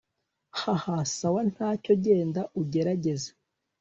hhhm sawa ntacyo genda ugerageze